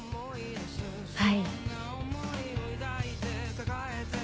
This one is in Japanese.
はい。